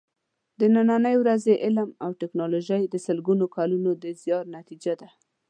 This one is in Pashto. د نننۍ ورځې علم او ټېکنالوجي د سلګونو کالونو د زیار نتیجه ده.